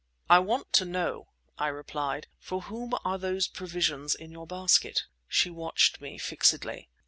"I want to know," I replied, "for whom are those provisions in your basket?" She watched me fixedly.